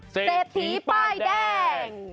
เศรษฐีป้ายแดง